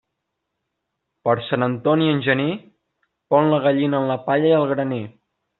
Per Sant Antoni en gener, pon la gallina en la palla i el graner.